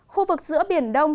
khu vực giữa biển đông